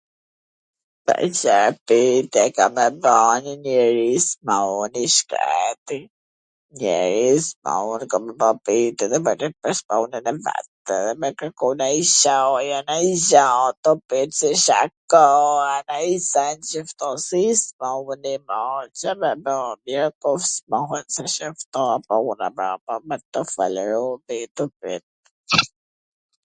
Po Ca pytje ka me ba njw njeri i smun i shkreti, njeri i smun ka me ba pytje ... edhe me kwrku nanjw gja o t u pyt se Ca ka o nanj sen qw ... Ca me ba... {???}